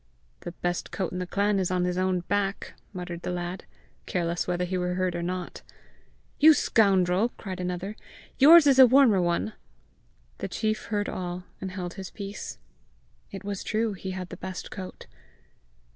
"The best coat in the clan is on his own back!" muttered the lad, careless whether he were heard or not. "You scoundrel!" cried another; "yours is a warmer one!" The chief heard all, and held his peace. It was true he had the best coat!